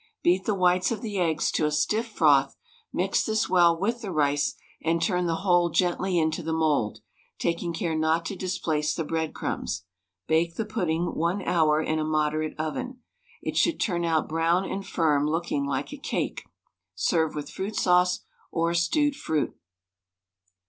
Beat the whites of the eggs to a stiff froth, mix this well with the rice, and turn the whole gently into the mould, taking care not to displace the breadcrumbs; bake the pudding 1 hour in a moderate oven. It should turn out brown and firm, looking like a cake. Serve with fruit sauce or stewed fruit.